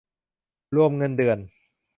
รวมเงินเดือน